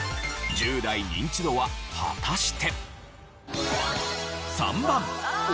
１０代ニンチドは果たして？